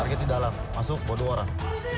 target di dalam masuk bawa dua orang